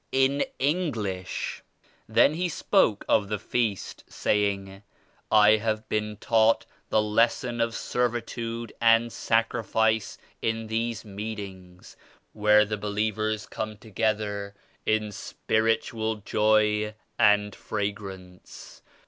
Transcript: in English. Then he spoke of the feast, saying, "I have been taught the lesson of servi tude and sacrifice in these meetings where the believers come together in spiritual joy and fragrance.